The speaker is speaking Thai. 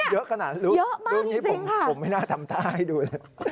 เยอะขนาดนี้ผมไม่น่าทำต้าให้ดูเลย